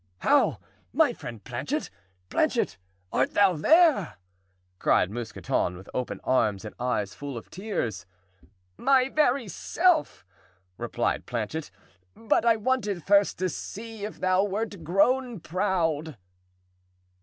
"How, my friend Planchet? Planchet—art thou there?" cried Mousqueton, with open arms and eyes full of tears. "My very self," replied Planchet; "but I wanted first to see if thou wert grown proud."